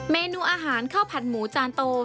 เมนูอาหารข้าวผัดหมูจานโต